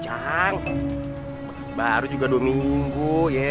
cang baru juga dua minggu